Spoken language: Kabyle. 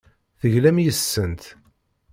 Teglam yes-sent.